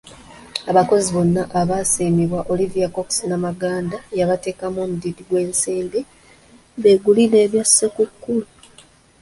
Abakozi bonna abaasiimibwa, Olivia Cox Namaganda yabateekamu omudidi gw’ensimbi beegulire ebya Ssekukkulu.